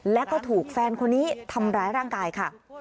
แล้วก็ถูกแฟนคนนี้ทำร้ายร่างกายค่ะ